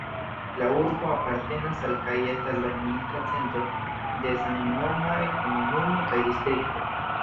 La urbo apartenas al kaj estas la administra centro de samnomaj komunumo kaj distrikto.